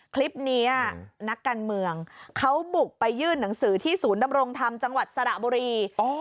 คลิปนี้นักการเมืองเขาบุกไปยื่นหนังสือที่ศูนย์ดำรงธรรมจังหวัดสระบุรี